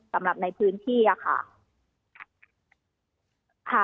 สำหรับในพื้นที่ค่ะ